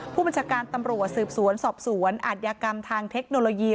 ผู้บัญชาการตำรวจสืบสวนสอบสวนอาทยากรรมทางเทคโนโลยี